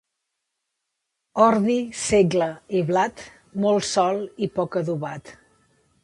Ordi, segle i blat, molt sol i poc adobat.